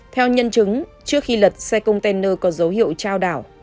theo nhân chứng trước khi lật xe container có dấu hiệu trao đảo